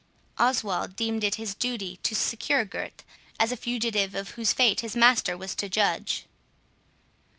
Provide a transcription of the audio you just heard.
Oswald deemed it his duty to secure Gurth, as a fugitive of whose fate his master was to judge.